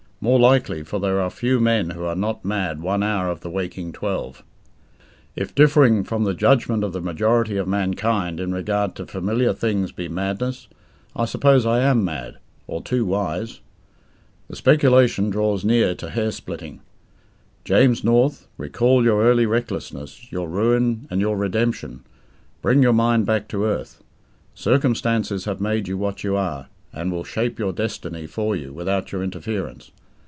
More likely, for there are few men who are not mad one hour of the waking twelve. If differing from the judgment of the majority of mankind in regard to familiar things be madness, I suppose I am mad or too wise. The speculation draws near to hair splitting. James North, recall your early recklessness, your ruin, and your redemption; bring your mind back to earth. Circumstances have made you what you are, and will shape your destiny for you without your interference.